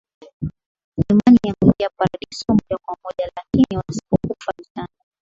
imani na kuingia Paradiso moja kwa moja Lakini wasipokufa vitani